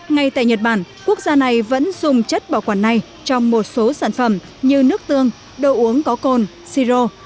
ngay tại nhật bản quốc gia này vẫn dùng chất bảo quản này trong một số sản phẩm như nước tương đồ uống có côn si rô